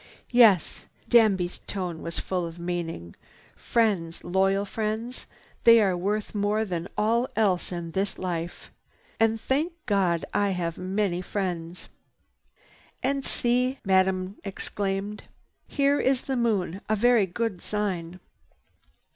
"Yes." Danby's tone was full of meaning. "Friends, loyal friends, they are worth more than all else in this life! And, thank God, I have many friends!" "And see!" Madame exclaimed. "Here is the Moon. A very good sign.